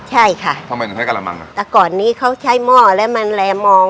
ใช่ค่ะทำไมถึงใช้กระมังอ่ะแต่ก่อนนี้เขาใช้หม้อและมันแรมมอง